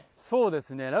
そうですね